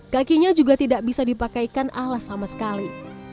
kakinya juga tidak bisa dipakaikan alas sama sekali